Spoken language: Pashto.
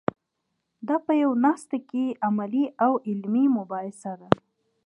دا په یوه ناسته کې عملي او علمي مباحثه ده.